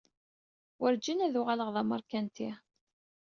Werjin ad uɣaleɣ d amerkanti.